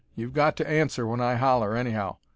You've got to answer when I holler, anyhow.